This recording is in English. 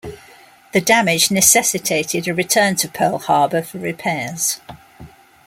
The damage necessitated a return to Pearl Harbor for repairs.